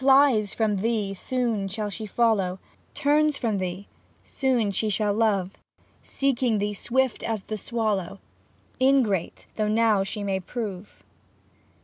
FHes from thee, soon she shall follow, Turns from thee, soon she shall love. Seeking thee swift as the swallow, Ingrate though now she may prove."